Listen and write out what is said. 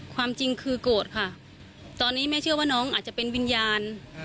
ความจริงคือโกรธค่ะตอนนี้แม่เชื่อว่าน้องอาจจะเป็นวิญญาณ